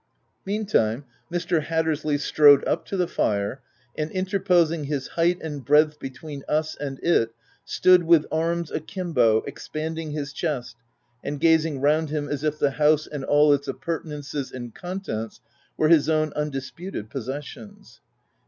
Meantime, Mr. Hattersley strode up to the fire, and, interposing his height and breadth between us and it, stood, with arms akimbo, expanding his chest, and gazing round him as if the house and all its appertenances and contents were his own undisputed possessions.